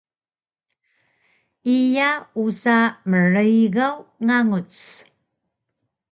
Iya usa mrigaw nganguc